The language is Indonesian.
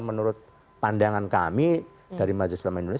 menurut pandangan kami dari majelis selama indonesia